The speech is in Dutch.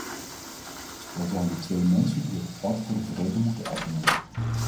Zij zijn de twee mensen die het pad voor de vrede moeten effenen.